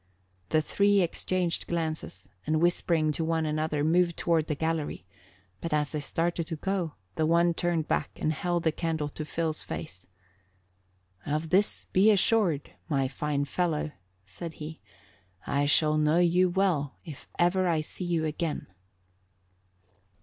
The three exchanged glances and whispering to one another, moved toward the gallery; but as they started to go, the one turned back and held the candle to Phil's face. "Of this be assured, my fine fellow," said he, "I shall know you well if ever I see you again."